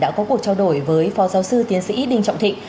đã có cuộc trao đổi với phó giáo sư tiến sĩ đinh trọng thịnh